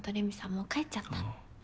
もう帰っちゃった。